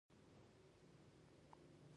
د چاه اب د سرو زرو کان په تخار کې دی